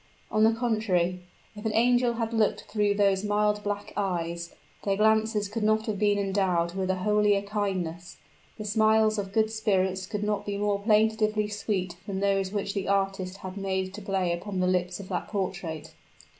On the contrary, if an angel had looked through those mild black eyes, their glances could not have been endowed with a holier kindness; the smiles of good spirits could not be more plaintively sweet than those which the artist had made to play upon the lips of that portrait.